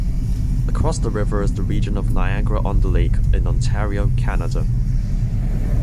Across the river is the region of Niagara-on-the-Lake in Ontario, Canada.